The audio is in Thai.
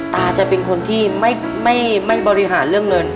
ตาจะเป็นคนที่ไม่บริหารเรื่องเงิน